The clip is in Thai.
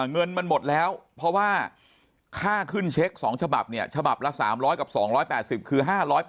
เงินมันหมดแล้วเพราะว่าค่าขึ้นเช็ค๒ฉบับเนี่ยฉบับละ๓๐๐กับ๒๘๐คือ๕๘๐